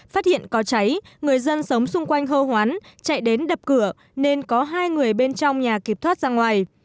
phát hiện có cháy người dân sống xung quanh hô hoán chạy đến đập cửa nên có hai người bên trong nhà kịp thoát ra ngoài